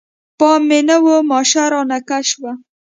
پام مې نه و، ماشه رانه کش شوه.